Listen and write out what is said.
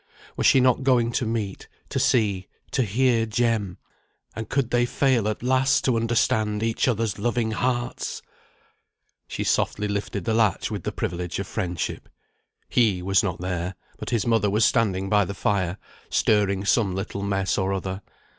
Was she not going to meet, to see, to hear Jem; and could they fail at last to understand each other's loving hearts! She softly lifted the latch, with the privilege of friendship. He was not there, but his mother was standing by the fire, stirring some little mess or other.